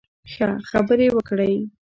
ښه، خبرې وکړئ